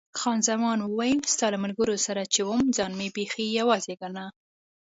خان زمان وویل، ستا له ملګرو سره چې وم ځان مې بیخي یوازې ګاڼه.